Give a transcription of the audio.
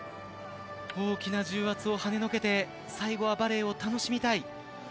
大きな重圧を跳ね除けて最後はバレーを楽しみたい。